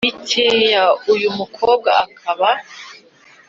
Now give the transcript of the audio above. imikeya, uyu mukobwa akaba